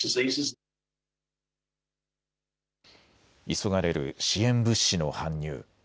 急がれる支援物資の搬入。